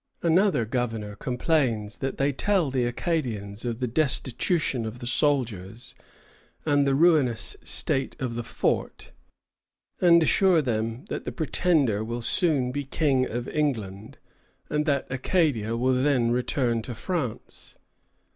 Another governor complains that they tell the Acadians of the destitution of the soldiers and the ruinous state of the fort, and assure them that the Pretender will soon be King of England, and that Acadia will then return to France.